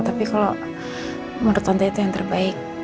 tapi kalau menurut tante itu yang terbaik